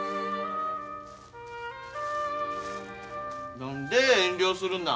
何で遠慮するな？